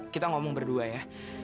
kita ngomong berdua ya